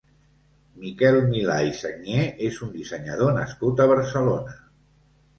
Miquel Milà i Sagnier és un dissenyador nascut a Barcelona.